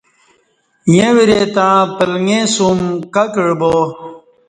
ییں وری تݩع پلنگے سوم کہ کعبا